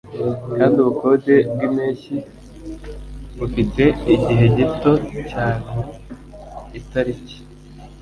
kandi ubukode bwimpeshyi bufite igihe gito cyane itariki